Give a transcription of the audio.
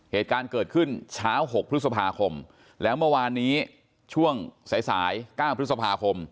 เหตุการณ์เกิดขึ้นเช้า๖พฤษภาคมแล้วเมื่อวานนี้ช่วงสายสาย๙พฤษภาคม